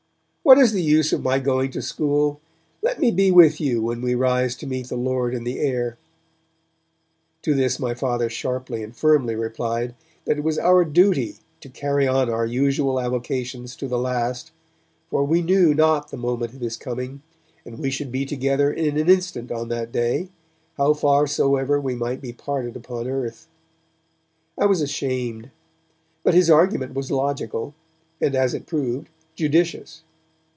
'What is the use of my going to school? Let me be with you when we rise to meet the Lord in the air!' To this my Father sharply and firmly replied that it was our duty to carry on our usual avocations to the last, for we knew not the moment of His coming, and we should be together in an instant on that day, how far soever we might be parted upon earth. I was ashamed, but his argument was logical, and, as it proved, judicious.